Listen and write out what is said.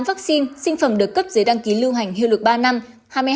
tám vắc xin sinh phẩm được cấp giới đăng ký lưu hành hiệu lực ba năm